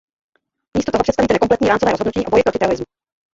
Místo toho představíte nekompletní rámcové rozhodnutí o boji proti terorismu.